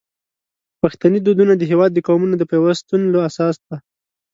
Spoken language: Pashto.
پښتني دودونه د هیواد د قومونو د پیوستون اساس دي.